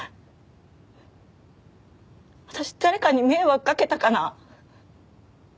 私誰かに迷惑かけたかな？